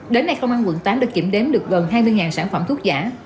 đến nay công an quận tám đã kiểm đếm được gần hai mươi sản phẩm thuốc giả